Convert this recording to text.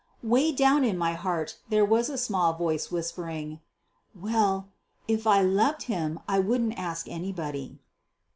Way down in my heart there was a small voice whispering: "Well, if I loved him I wouldn't ask anybody."